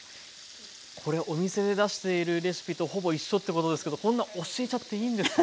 これお店で出しているレシピとほぼ一緒ってことですけどこんな教えちゃっていいんですか？